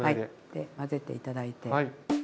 で混ぜて頂いて。